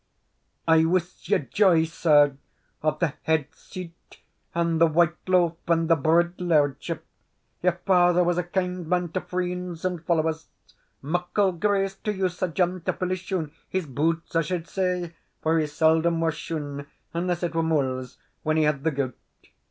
"I wuss ye joy, sir, of the head seat and the white loaf and the brid lairdship. Your father was a kind man to freends and followers; muckle grace to you, Sir John, to fill his shoon his boots, I suld say, for he seldom wore shoon, unless it were muils when he had the gout."